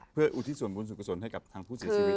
เพื่ออุทิศส่วนบุญสุขสนให้กับทางผู้เสียชีวิต